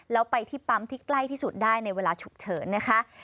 แล้วไปที่ปั๊มที่ใกล้ที่สุดได้ในเวลาฉุกเฉินนะคะ